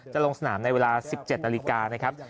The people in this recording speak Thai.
จะลงสนามในเวลา๑๗นาฬิกานะครับ